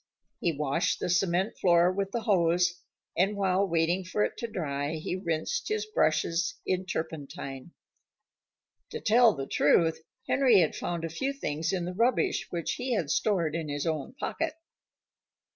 He washed the cement floor with the hose, and while waiting for it to dry he rinsed his brushes in turpentine. To tell the truth, Henry had found a few things in the rubbish which he had stored in his own pocket.